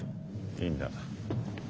いいんだ。